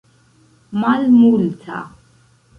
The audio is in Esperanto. malmulta